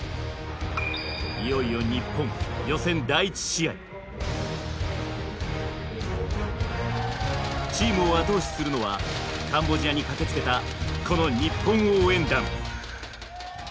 いよいよニッポンチームを後押しするのはカンボジアに駆けつけたこの日本応援団。